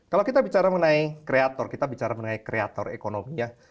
kalau kita bicara mengenai kreator kita bicara mengenai kreator ekonomi ya